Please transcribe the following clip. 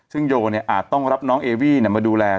ซึ่งโยอาจต้องรับน้องเอวี่มาดูแล